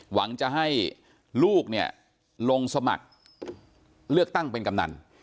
หวังจะให้ลูกเนี่ยลงสมัครเลือกตั้งเป็นกำนัน